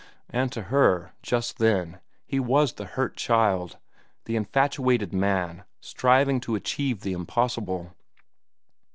And to her, just then, he was the hurt child, the infatuated man striving to achieve the impossible.